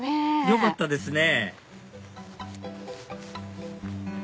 よかったですね